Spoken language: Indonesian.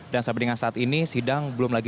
dan sampai dengan saat ini sidang belum dilakukan